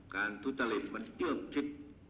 การทุกตรริจมันเตื้องทริป